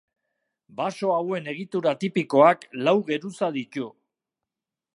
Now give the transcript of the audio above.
Baso hauen egitura tipikoak lau geruza ditu.